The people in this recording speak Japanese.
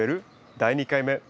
第２回目。